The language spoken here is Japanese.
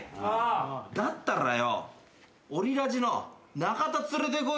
だったらよ。